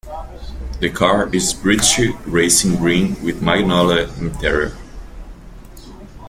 The car is British racing green with magnolia interior.